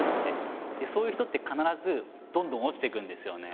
そういう人って必ずどんどん落ちていくんですよね。